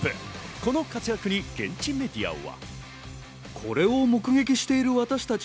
この活躍に現地メディアは。